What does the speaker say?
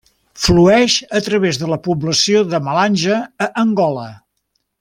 Flueix a través de la població de Malanje a Angola.